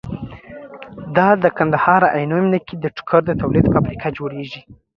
دا د کندهار عينو مينه کې ده ټوکر د تولید فابريکه جوړيږي